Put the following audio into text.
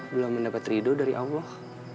belum mendapat ridho dari allah